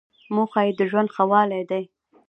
موخه یې د ژوند ښه والی دی.